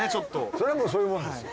そりゃもうそういうもんですよ。